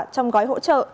trong gói hỗ trợ